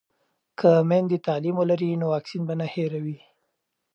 که میندې تعلیم ولري نو واکسین به نه هیروي.